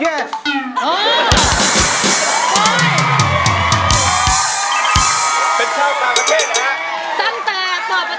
เพื่อจะไปชิงรางวัลเงินล้าน